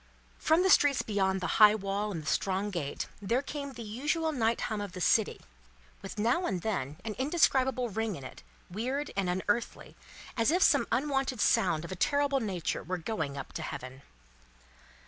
From the streets beyond the high wall and the strong gate, there came the usual night hum of the city, with now and then an indescribable ring in it, weird and unearthly, as if some unwonted sounds of a terrible nature were going up to Heaven.